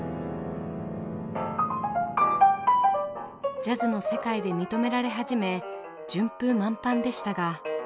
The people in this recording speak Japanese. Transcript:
ジャズの世界で認められ始め順風満帆でしたが。